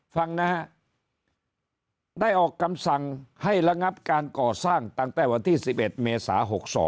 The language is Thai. ฟังนะฮะได้ออกคำสั่งให้ระงับการก่อสร้างตั้งแต่วันที่๑๑เมษา๖๒